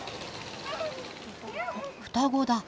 双子だ。